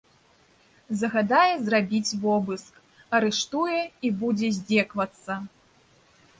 Загадае зрабіць вобыск, арыштуе і будзе здзекавацца.